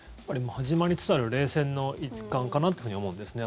始まりつつある冷戦の一環かなと思うんですね。